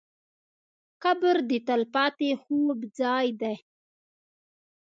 قبر د تل پاتې خوب ځای دی.